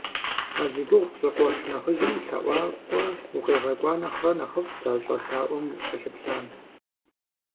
А зи гугъу пщӀы къуэш нэхъыжьым лъэӀуакӀуэ укъигъэкӀуа нэхърэ нэхъыфӀт а щӀэлъаӀуэм кӀэлъыплъам.